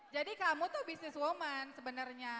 jadi kamu tuh bisnis woman sebenarnya